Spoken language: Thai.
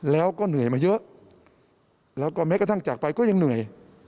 แล้วก็เหนื่อยมาเยอะแล้วก็แม้กระทั่งจากไปก็ยังเหนื่อย